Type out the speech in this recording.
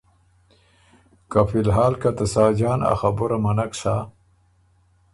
که فی الحال که ته ساجان آ خبُره منک سۀ